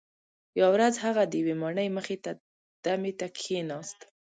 یوه ورځ هغه د یوې ماڼۍ مخې ته دمې ته کښیناست.